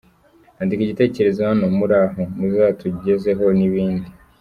Andika Igitekerezo Hano Muraho muzatujyezeho ni bidi.